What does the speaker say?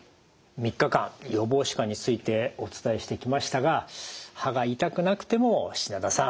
３日間予防歯科についてお伝えしてきましたが歯が痛くなくても品田さん